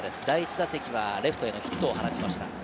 第１打席はレフトへのヒットを放ちました。